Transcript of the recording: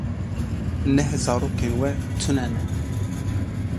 Neh zarokên we tune ne.